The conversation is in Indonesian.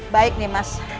baik nih mas